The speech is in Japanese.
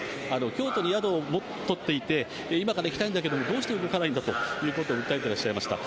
京都に宿を取っていて、今から行きたいんだけれども、どうして動かないんだ？ということを訴えていらっしゃいました。